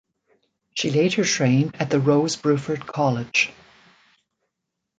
She later trained at the Rose Bruford College.